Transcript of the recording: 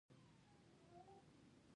د لوی بالاکرز په کلي کې تېر شوو.